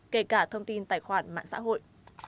kể cả thông tin tài khoản mạng xã hội